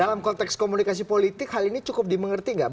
dalam konteks komunikasi politik hal ini cukup dimengerti nggak